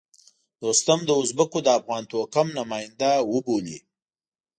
دوستم د ازبکو د افغان توکم نماینده وبولي.